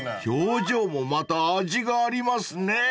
［表情もまた味がありますね］